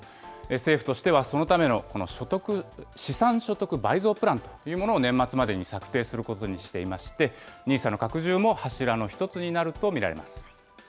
政府としては、そのためのこの資産所得倍増プランというのを年末までに策定することにしていまして、ＮＩＳＡの拡充も柱の一つになると見られます。